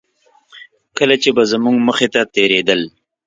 کله چې به زموږ مخې ته تېرېدل.